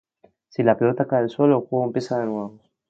Si la pelota cae al suelo, el juego empieza de nuevo.